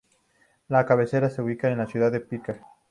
La Cabecera se ubica en la ciudad de Parker.